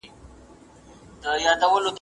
که به مې چورت په تا خراب وي مسلمان به نه یم